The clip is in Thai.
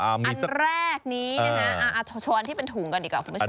อันแรกนี้นะฮะช้อนที่เป็นถุงก่อนดีกว่าคุณผู้ชม